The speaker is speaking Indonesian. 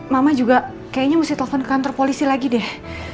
mama juga kayaknya mesti telepon ke kantor polisi lagi deh